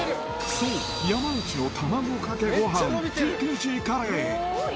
そう、山内の卵かけごはんＴＫＧカレー。